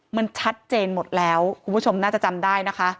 มันชัดเจนหมดแล้วคุณผู้ชมน่าจะจำได้นะคะ